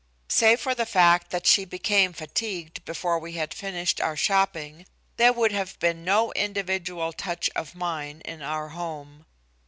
Save for the fact that she became fatigued before we had finished our shopping, there would have been no individual touch of mine in our home.